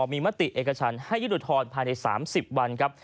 มีมติเอกชันให้ยุทธ์ภายใน๓๐วันครับ